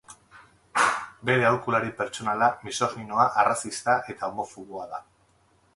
Bere aholkulari pertsonala misoginoa, arrazista eta homofoboa da.